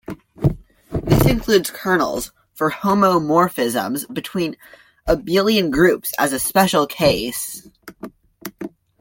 This includes kernels for homomorphisms between abelian groups as a special case.